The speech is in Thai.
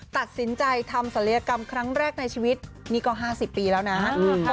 ตัดสินใจทำศัลยกรรมครั้งแรกในชีวิตนี่ก็๕๐ปีแล้วนะ